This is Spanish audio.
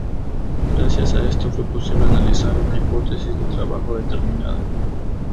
Gracias a esto fue posible analizar una hipótesis de trabajo determinada.